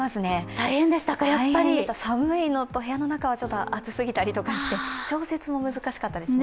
大変でした、寒いのと部屋の中はちょっと暑すぎたりして、調節も難しかったですね。